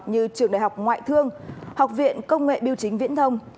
như trường đại học ngoại thương học viện công nghệ biêu chính viễn thông